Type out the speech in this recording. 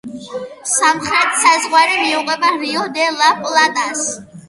სამხრეთ საზღვარი მიუყვება რიო-დე-ლა-პლატას.